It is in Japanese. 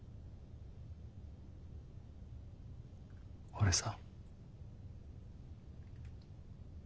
俺さ。